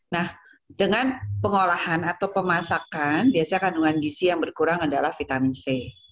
nah dengan pengolahan atau pemasakan biasanya kandungan gizi yang berkurang adalah vitamin c